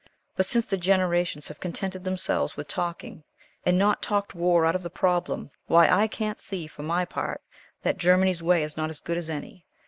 But since the generations have contented themselves with talking, and not talked war out of the problem, why, I can't see, for my part, that Germany's way is not as good as any.